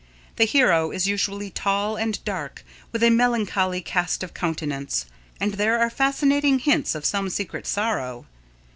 The hero is usually "tall and dark, with a melancholy cast of countenance," and there are fascinating hints of some secret sorrow.